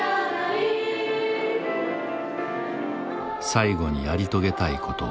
最後にやり遂げたいこと。